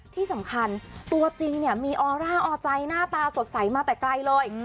ที่สำคัญตัวจริงเนี่ยมีออร่าออใจหน้าตาสดใสมาแต่ไกลเลย